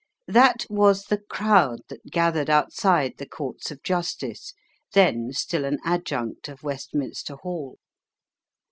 That was the crowd that gathered outside the Courts of Justice, then still an adjunct of Westminster Hall.